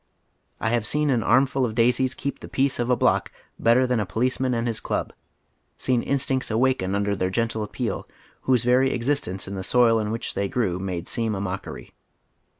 I have seen an armful of daisies keep tiie peace of a block better than a policeman and his club, seen instincts awaken under their gentle appeal, whose very existence the soil in which they grew made seem a mockery.